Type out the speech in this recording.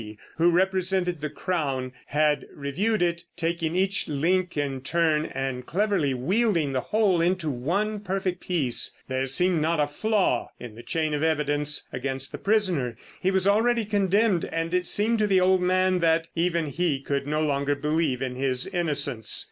who represented the Crown, had reviewed it, taking each link in turn and cleverly wielding the whole into one perfect piece—there seemed not a flaw in the chain of evidence against the prisoner. He was already condemned, and it seemed to the old man that even he could no longer believe in his innocence.